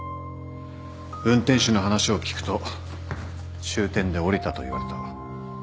運転手の話を聞くと終点で降りたと言われた。